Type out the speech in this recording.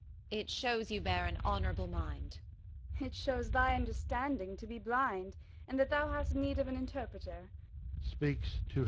Amb. It shews you bear an honourable mind. Gon. It shews thy understanding to be blind, And that thou hadst need of an interpreter : 70 [Speaks to herself.